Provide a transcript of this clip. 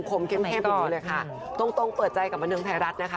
คมเค็มอยู่ด้วยค่ะตรงเปิดใจกับบันทึงไทยรัฐนะคะ